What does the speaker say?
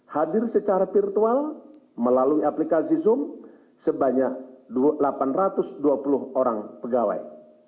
hadir secara virtual melalui aplikasi zoom sebanyak delapan ratus dua puluh orang pegawai